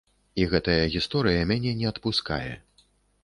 І гэтая гісторыя мяне не адпускае.